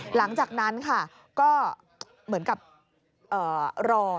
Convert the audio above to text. หลังจากนั้นค่ะก็เหมือนกับรอ